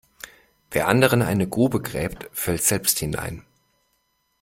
Wer anderen eine Grube gräbt fällt selbst hinein.